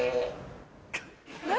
何？